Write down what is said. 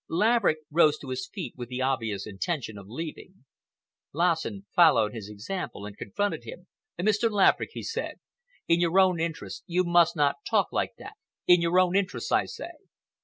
Laverick rose to his feet with the obvious intention of leaving. Lassen followed his example and confronted him. "Mr. Laverick," he said, "in your own interests you must not talk like that,—in your own interests, I say."